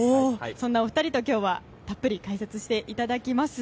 そんなお二人と今日はたっぷり解説していきます。